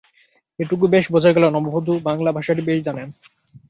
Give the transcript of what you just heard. এটুকু বেশ বোঝা গেল, নববধূ বাংলাভাষাটি বেশ জানেন।